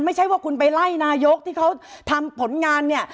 ไม่ใช่ว่าคุณไปไล่นายกที่เขาทำผลงานเนี่ย